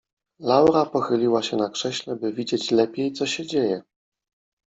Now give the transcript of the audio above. Laura pochyliła się na krześle, by widzieć lepiej, co się dzieje.